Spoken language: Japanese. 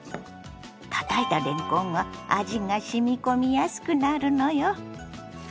たたいたれんこんは味がしみ込みやすくなるのよ。